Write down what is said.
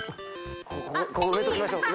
ここ埋めときましょう。